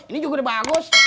ini juga udah bagus